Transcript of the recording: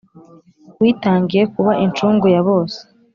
witangiye kuba incungu ya bose.